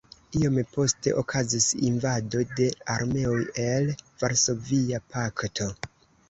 Iom poste okazis invado de armeoj el Varsovia Pakto.